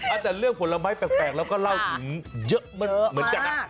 แต่เรื่องผลไม้แปลกเราก็เล่าถึงเยอะเหมือนกันนะ